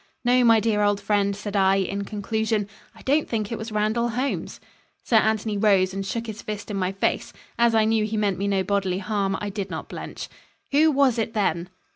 "No, my dear old friend," said I, in conclusion, "I don't think it was Randall Holmes." Sir Anthony rose and shook his fist in my face. As I knew he meant me no bodily harm, I did not blench. "Who was it, then?"